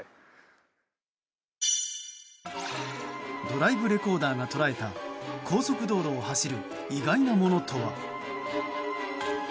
ドライブレコーダーが捉えた高速道路を走る意外なものとは。